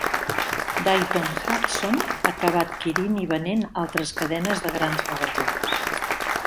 Dayton-Hudson acabà adquirint i venent altres cadenes de grans magatzems.